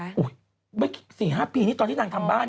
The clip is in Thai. เมื่อ๔๕ปีนี่ตอนที่นางทำบ้าน